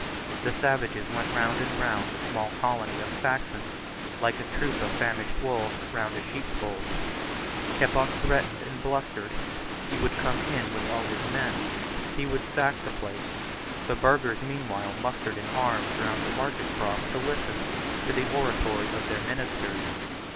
The savages went round and round the small colony of Saxons like a troop of famished wolves round a sheepfold. Keppoch threatened and blustered. He would come in with all his men. He would sack the place. The burghers meanwhile mustered in arms round the market cross to listen to the oratory of their ministers.